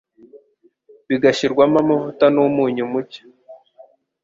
bigashyirwamo amavuta n’umunyu muke,